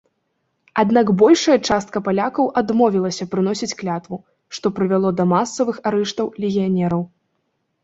Аднак большая частка палякаў адмовілася прыносіць клятву, што прывяло да масавых арыштаў легіянераў.